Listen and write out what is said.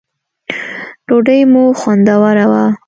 ډوډی مو خوندوره وه